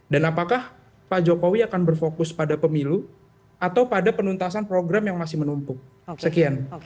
dan apakah pak jokowi akan berfokus pada pemilu atau pada penuntasan program yang masih menumpuk sekian